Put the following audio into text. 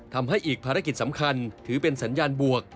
ทำให้อีกภารกิจสำคัญถือเป็นสัญญาณบวก